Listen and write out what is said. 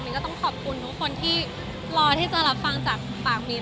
ก็ต้องขอบคุณทุกคนที่รอที่จะรับฟังจากปากมิ้น